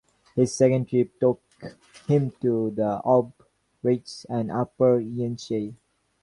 His second trip took him to the Ob, Irtysh, and upper Yenisei.